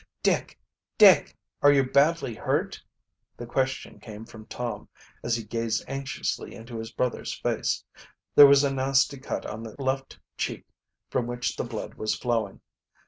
"Dick, Dick! are you badly hurt?" The question came from Tom, as he gazed anxiously into his brother's face. There was a nasty cut on the left check from which the blood was flowing.